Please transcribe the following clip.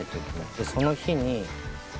でその日に。